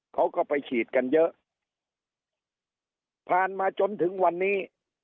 เขาก็ไปฉีดกันเยอะผ่านมาจนถึงวันนี้